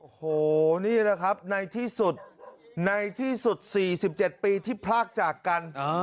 โอ้โหนี่แหละครับในที่สุดในที่สุด๔๗ปีที่พลากจากกัน